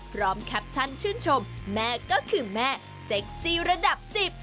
แคปชั่นชื่นชมแม่ก็คือแม่เซ็กซี่ระดับสิบ